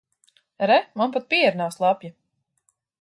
Re, man pat piere nav slapja.